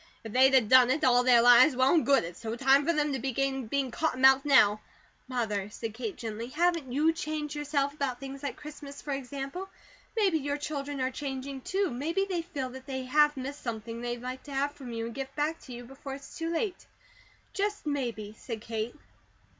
If they'd a done it all their lives, well and good; it's no time for them to begin being cotton mouthed now." "Mother," said Kate gently, "haven't YOU changed, yourself, about things like Christmas, for example? Maybe your children are changing, too. Maybe they feel that they have missed something they'd like to have from you, and give back to you, before it's too late. Just maybe," said Kate.